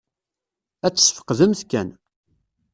Ad tesfeqdemt kan.